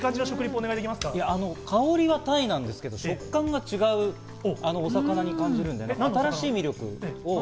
お香りはタイなんですけど、食感が違うお魚に感じる、新しい魅力。